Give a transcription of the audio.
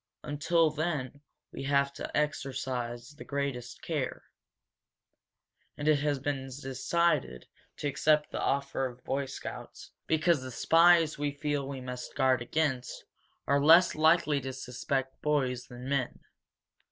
Until then we have to exercise the greatest care. And it has been decided to accept the offer of Boy Scouts because the spies we feel we must guard against are less likely to suspect boys than men.